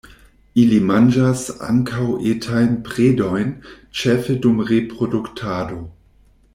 Ili manĝas ankaŭ etajn predojn, ĉefe dum reproduktado.